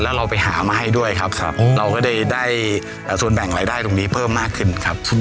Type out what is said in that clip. แล้วเราไปหามาให้ด้วยครับเราก็ได้ส่วนแบ่งรายได้ตรงนี้เพิ่มมากขึ้นครับ